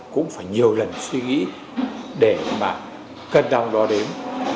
cũng phải nhiều lần suy nghĩ để mà cân đong đo đếm